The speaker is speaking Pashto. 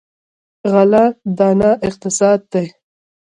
غله دانه اقتصاد دی.